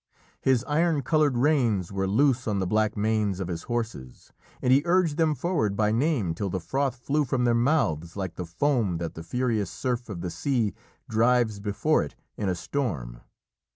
His iron coloured reins were loose on the black manes of his horses, and he urged them forward by name till the froth flew from their mouths like the foam that the furious surf of the sea drives before it in a storm.